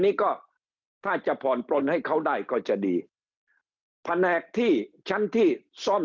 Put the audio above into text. นี้ก็ถ้าจะผ่อนปลนให้เขาได้ก็จะดีแผนกที่ชั้นที่ซ่อม